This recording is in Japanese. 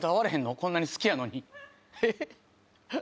こんなに好きやのにえっ？